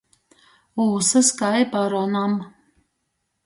Ūsys kai baronam.